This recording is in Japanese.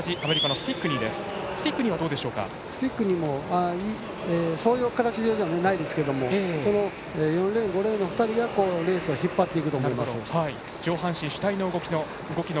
スティックニーもそういう形ではないですが４レーン、５レーンの２人がレースを引っ張っていくと上半身主体の動きの